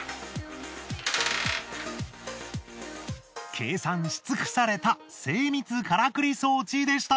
計算し尽くされた精密からくり装置でした。